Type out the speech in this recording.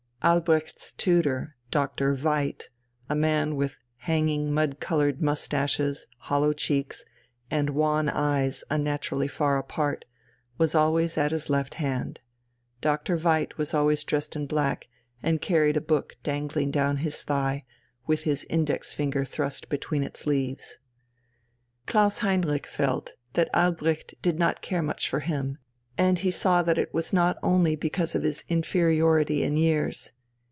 Albrecht's tutor, Doctor Veit, a man with hanging mud coloured moustaches, hollow cheeks, and wan eyes unnaturally far apart, was always at his left hand. Doctor Veit was always dressed in black, and carried a book dangling down his thigh, with his index finger thrust between its leaves. Klaus Heinrich felt that Albrecht did not care much for him, and he saw that it was not only because of his inferiority in years.